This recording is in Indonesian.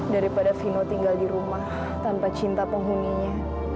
daripada vino tinggal di rumah tanpa cinta penghuninya